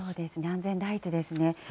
安全第一ですね。